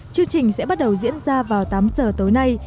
chương trình sẽ bắt đầu diễn ra vào tám giờ tối nay